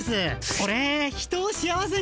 オレ人を幸せに。